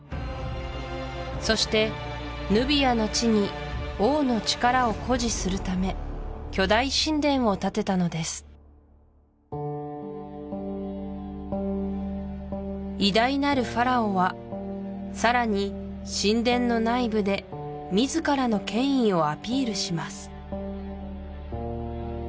そしてヌビアの地に王の力を誇示するため巨大神殿を建てたのです偉大なるファラオはさらに神殿の内部で自らの権威をアピールします